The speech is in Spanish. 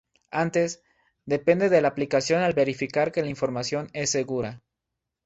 Antes, depende de la aplicación el verificar que la información es segura.